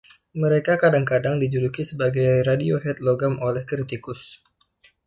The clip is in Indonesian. Mereka kadang-kadang dijuluki sebagai "Radiohead logam" oleh kritikus.